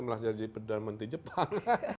malah jadi pendana menteri jepang